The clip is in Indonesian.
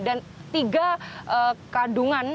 dan tiga kandungan